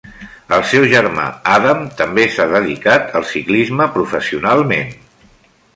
El seu germà Adam també s'ha dedicat al ciclisme professionalment.